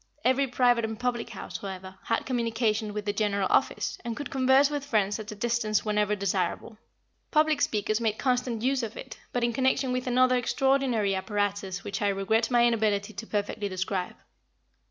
Every private and public house, however, had communication with the general office, and could converse with friends at a distance whenever desirable. Public speakers made constant use of it, but in connection with another extraordinary apparatus which I regret my inability to perfectly describe.